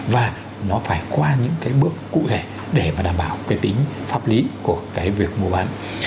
và nó phải qua những cái bước cụ thể để mà đảm bảo cái tính pháp lý của cái việc mua bán